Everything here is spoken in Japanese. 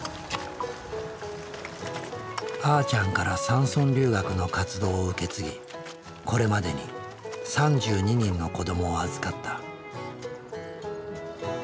あーちゃんから山村留学の活動を受け継ぎこれまでに３２人の子どもを預かった。